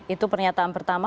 itu pernyataan pertama